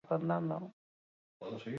Autobusa eskola umeen bila zihoan.